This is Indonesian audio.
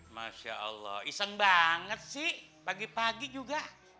masya allah iseng banget sih pagi pagi juga